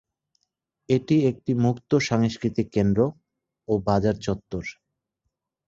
এটি একটি মুক্ত সাংস্কৃতিক কেন্দ্র ও বাজার চত্বর।